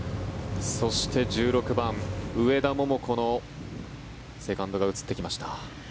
そして１６番、上田桃子のセカンドが映ってきました。